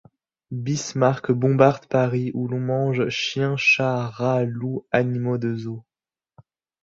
Bismarck bombarde Paris où l'on mange chiens, chats, rats, loups, animaux de zoo.